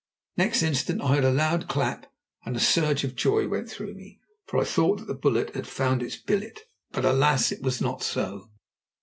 Next instant I heard a loud clap, and a surge of joy went through me, for I thought that the bullet had found its billet. But alas! it was not so.